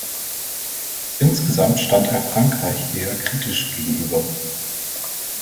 Insgesamt stand er Frankreich eher kritisch gegenüber.